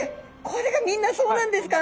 これがみんなそうなんですか？